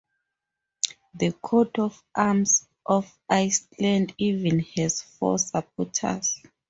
The coat of arms of Iceland even has four supporters.